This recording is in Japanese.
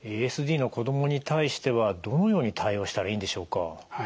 ＡＳＤの子どもに対してはどのように対応したらいいんでしょうか？